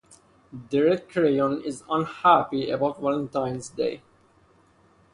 The red crayon is unhappy about Valentine's Day.